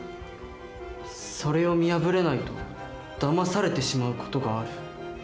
それを見破れないとだまされてしまう事がある。